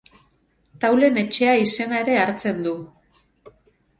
Taulen Etxea izena ere hartzen du.